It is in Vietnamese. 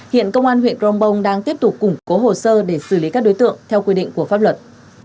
hiện công an huyện crongbong đang tiếp tục củng cố hồ sơ để xử lý các đối tượng theo quy định của pháp luật